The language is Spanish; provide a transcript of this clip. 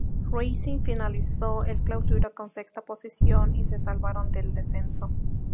Racing finalizó el Clausura en sexta posición y se salvaron del descenso.